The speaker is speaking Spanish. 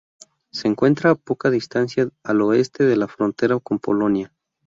Se encuentra a poca distancia al oeste de la frontera con Polonia.